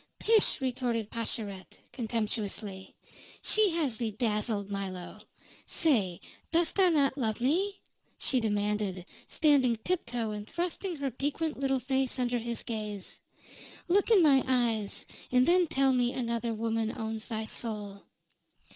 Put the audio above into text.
"Pish!" retorted Pascherette, contemptuously. "She has thee dazzled, Milo. Say, dost thou not love me?" she demanded, standing tiptoe and thrusting her piquant little face under his gaze. "Look in my eyes, and then tell me another woman owns thy soul!"